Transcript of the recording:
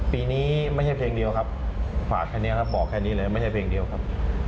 ปีนี้ไม่ใช่เพลงเดียวครับฝากแค่นี้ครับบอกแค่นี้เลยไม่ใช่เพลงเดียวครับ